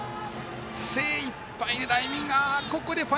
精いっぱいダイビング。